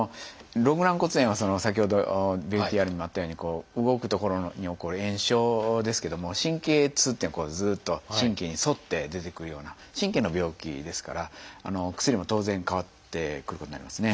肋軟骨炎は先ほどＶＴＲにもあったように動く所に起こる炎症ですけども神経痛っていうのはずっと神経に沿って出てくるような神経の病気ですからお薬も当然変わってくることになりますね。